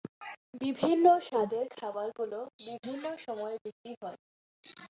বিভিন্ন স্বাদের খাবারগুলো বিভিন্ন সময়ে বিক্রি হয়।